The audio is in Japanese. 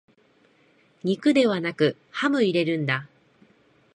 肉ではなくハム入れるんだ